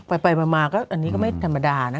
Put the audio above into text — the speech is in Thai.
ไปมาก็อันนี้ก็ไม่ธรรมดานะ